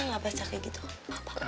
nggak baca kayak gitu apa